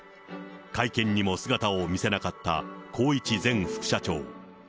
会見にも姿を見せなかった宏一前副社長。